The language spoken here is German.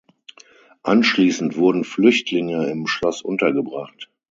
Anschließend wurden Flüchtlinge im Schloss untergebracht.